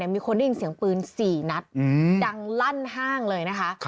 มีคนได้ยินเสียงปืน๔นัดดังลั่นห้างเลยนะคะ